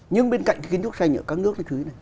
nhưng bên cạnh kiến trúc xanh ở các nước chú ý này